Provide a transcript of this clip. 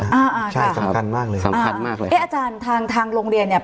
อ่าอ่าใช่สำคัญมากเลยสำคัญมากเลยเอ๊ะอาจารย์ทางทางโรงเรียนเนี้ย